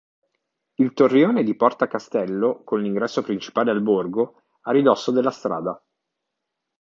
Il torrione di Porta Castello, con l’ingresso principale al borgo, a ridosso della strada.